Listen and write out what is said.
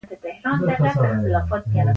په دې حالت کې یوازینۍ چیغه ده.